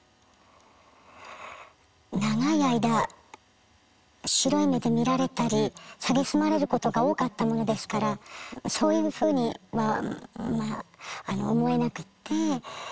長い間白い目で見られたり蔑まれることが多かったものですからそういうふうには思えなくて。